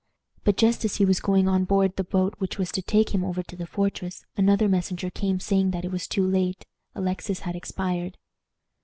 But just as he was going on board the boat which was to take him over to the fortress, another messenger came saying that it was too late. Alexis had expired.